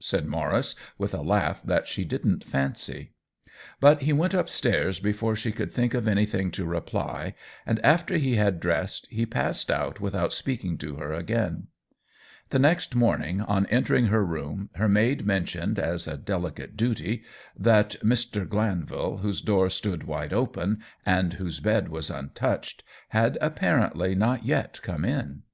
said Maurice, with a laugh that she didn't fancy. But he went up stairs before she could think of anything to reply, and after he had dress ed, he passed out without speaking to her again. The next morning, on entering her room, her maid mentioned, as a delicate duty, that Mr. Glanvil, whose door stood wide open, and whose bed was untouched, had apparently not yet come in.